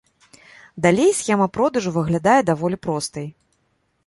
Далей схема продажу выглядае даволі простай.